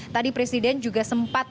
tadi presiden joko widodo juga menarik